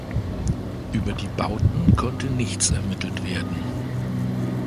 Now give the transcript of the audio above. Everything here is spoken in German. Über die Bauten konnte nichts ermittelt werden.